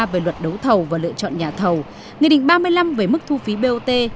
về luật đấu thầu và lựa chọn nhà thầu nghị định ba mươi năm về mức thu phí bot